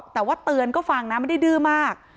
แต่ว่าเตือนก็ฟังนะไม่ได้ดื้อมาก